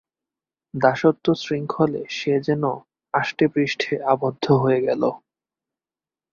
দাসত্বশৃঙ্খলে সে যেন আষ্টেপৃষ্ঠে আবদ্ধ হয়ে গেল।